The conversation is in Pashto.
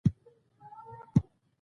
د بشري حقونو رعایت ته پاملرنه شوې ده.